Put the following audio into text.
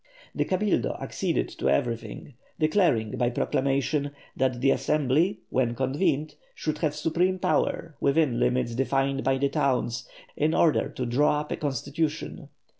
The Cabildo acceded to everything, declaring by proclamation that the Assembly when convened should have supreme power within limits defined by the towns, in order to draw up a Constitution.